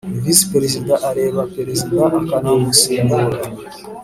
Visi perezida arebera perezida akanamusimbura